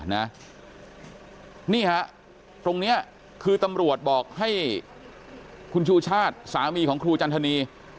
นี่ฮะตรงนี้คือตำรวจบอกให้คุณชูชาติสามีของครูจันทนี